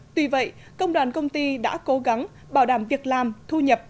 tuy vậy công đoàn công ty đã cố gắng bảo đảm việc làm thu nhập